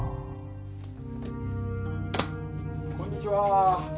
こんにちは。